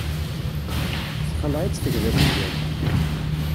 Tesexleε-itt tegḍiḍt n yiḍ.